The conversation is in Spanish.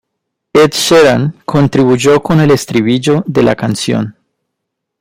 Ed Sheeran, contribuyó con el estribillo de la canción.